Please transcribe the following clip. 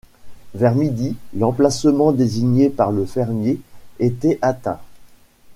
Vers midi, l’emplacement désigné par le fermier était atteint.